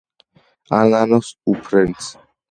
ანანოს უფრენს!